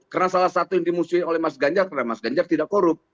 karena salah satu yang dimusuhin oleh mas ganjar karena mas ganjar tidak korup